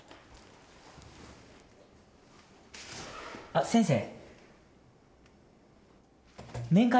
あっ先生。